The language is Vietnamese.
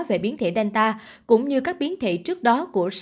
về biến thể delta cũng như các biến thể trước đó của sars cov hai